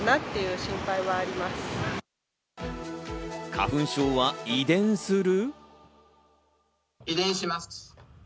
花粉症は遺伝する？